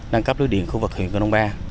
nâng cấp lưới điện khu vực huyện cơ nông ba